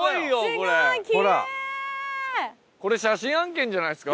これ写真案件じゃないですか？